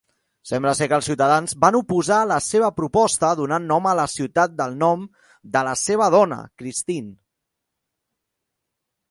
Sembla ser que els ciutadans van oposar-se a la seva proposta, donant nom a la ciutat el nom de la seva dona, Kristine.